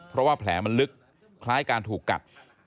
เพราะว่าแผลมันลึกคล้ายการถูกกัด